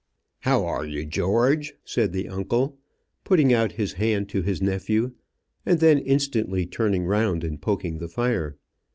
"How are you, George?" said the uncle, putting out his hand to his nephew, and then instantly turning round and poking the fire.